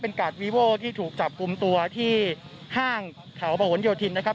เป็นกาดวีโว้ที่ถูกจับคุมตัวที่ห้างเถาประหวนโยธินต์นะครับ